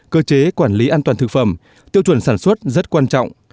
cơ chế quản lý an toàn thực phẩm tiêu chuẩn sản xuất rất quan trọng